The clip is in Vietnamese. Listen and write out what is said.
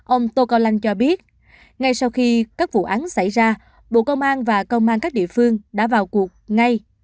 ông tô cao lanh cho biết ngay sau khi các vụ án xảy ra bộ công an và công an các địa phương đã vào cuộc ngay